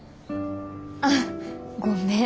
あっごめん。